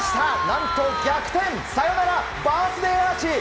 何と逆転サヨナラバースデーアーチ！